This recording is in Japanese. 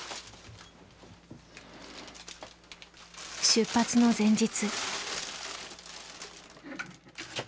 出発の前日。